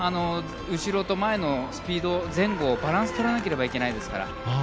後ろと前のスピードバランスを取らなければいけないですから。